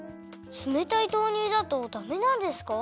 つめたい豆乳だとダメなんですか？